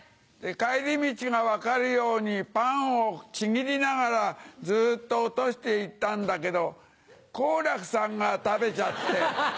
帰り道が分かるようにパンをちぎりながらずっと落として行ったんだけど好楽さんが食べちゃって。